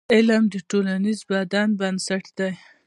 علم د ټولنیز بدلون بنسټ دی.